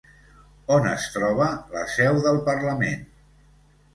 On es troba la seu del Parlament?